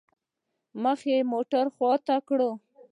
مخ مې موټر خوا ته كړ.